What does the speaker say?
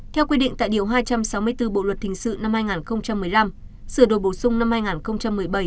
theo quy định tại điều hai trăm sáu mươi bốn bộ luật hình sự năm hai nghìn một mươi năm sửa đổi bổ sung năm hai nghìn một mươi bảy